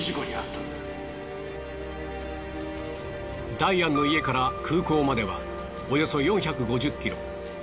ダイアンの家から空港まではおよそ４５０ｋｍ。